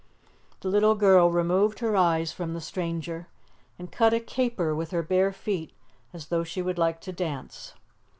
The little girl removed her eyes from the stranger and cut a caper with her bare feet, as though she would like to dance.